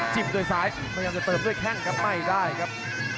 จิบโดยสายก้านจะเติมด้วยแค่งกับให้ได้ครับ